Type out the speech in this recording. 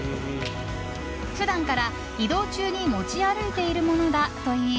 普段から移動中に持ち歩いているものだといい